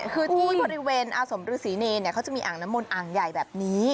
คือที่บริเวณอาสมฤษีเนรเขาจะมีอ่างน้ำมนตอ่างใหญ่แบบนี้